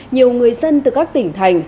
nhiều người dân từ các tỉnh thành